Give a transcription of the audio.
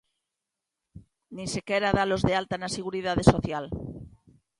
Nin sequera dalos de alta na Seguridade Social.